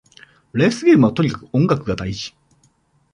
レースゲームはとにかく音楽が大事